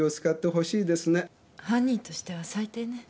犯人としては最低ね。